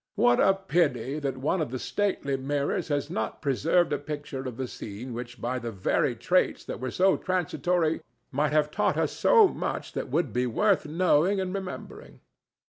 What a pity that one of the stately mirrors has not preserved a picture of the scene which by the very traits that were so transitory might have taught us much that would be worth knowing and remembering!